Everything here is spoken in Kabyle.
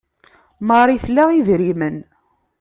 Marie tla idrimen.